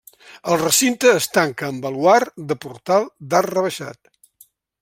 El recinte es tanca amb baluard de portal d'arc rebaixat.